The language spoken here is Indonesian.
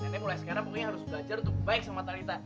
katanya mulai sekarang pokoknya harus belajar untuk baik sama talenta